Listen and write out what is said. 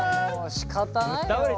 しかたないよ。